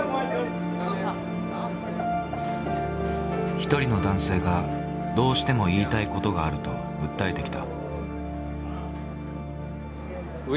一人の男性がどうしても言いたい事があると訴えてきた。